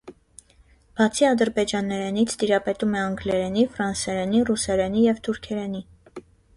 Բացի ադրբեջաներենից, տիրապետում է անգլերենի, ֆրանսերենի, ռուսերենի և թուրքերենի։